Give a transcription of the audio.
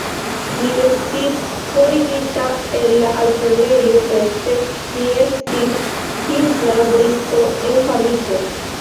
Li estis forigita el la altlernejo, poste li estis simpla laboristo en fabriko.